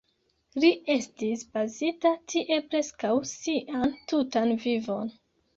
Li estis bazita tie preskaŭ sian tutan vivon.